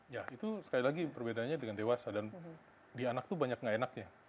ya itu sekali lagi perbedaannya dengan dewasa dan di anak itu banyak nggak enaknya